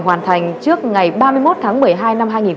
hoàn thành trước ngày ba mươi một tháng một mươi hai